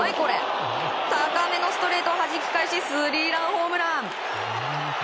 高めのストレートをはじき返しスリーランホームラン。